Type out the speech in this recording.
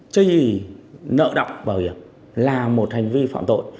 chứ gì nợ đọc bảo hiểm là một hành vi phạm tội